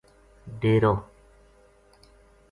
ڈیرو